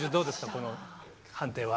この判定は。